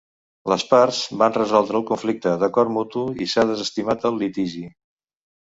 Les parts van resoldre el conflicte de acord mutu i s'ha desestimat el litigi.